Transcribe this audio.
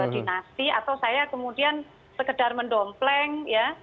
dinasti atau saya kemudian sekedar mendompleng ya